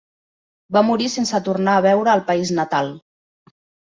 Va morir sense tornar a veure el país natal.